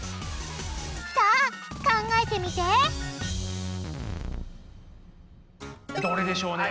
さあ考えてみてどれでしょうね。